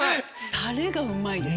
タレがうまいです